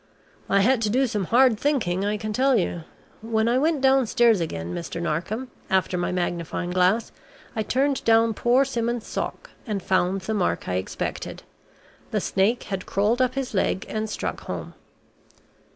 I had to do some hard thinking, I can tell you. When I went downstairs again, Mr. Narkom, after my magnifying glass, I turned down poor Simmons's sock and found the mark I expected the snake had crawled up his leg and struck home.